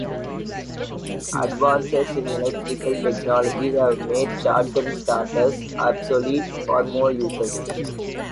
Advances in electrical technology have made shotgun starters obsolete for most uses.